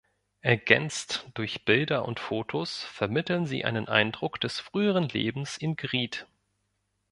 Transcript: Ergänzt durch Bilder und Fotos vermitteln sie einen Eindruck des früheren Lebens in Grieth.